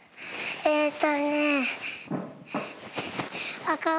えっとね。